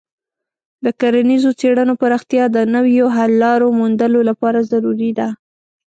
د کرنیزو څیړنو پراختیا د نویو حل لارو موندلو لپاره ضروري ده.